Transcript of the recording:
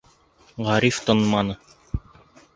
Ғариф тынманы: